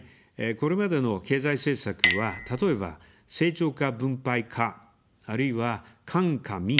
これまでの経済政策は、例えば「成長か分配か」、あるいは「官か民か」